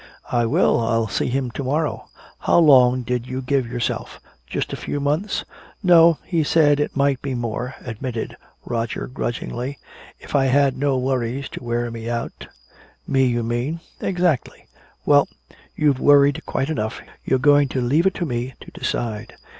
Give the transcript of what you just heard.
"I will, I'll see him to morrow. How long did you give yourself? Just a few months?" "No, he said it might be more," admitted Roger grudgingly. "If I had no worries to wear me out " "Me, you mean." "Exactly." "Well, you've worried quite enough. You're going to leave it to me to decide."